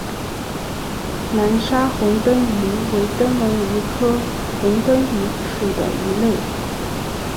南沙虹灯鱼为灯笼鱼科虹灯鱼属的鱼类。